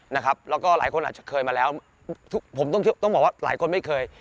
นะครับแล้วก็หลายคนอาจจะเคยมาแล้วผมต้องบอกว่าหลายคนไม่เคย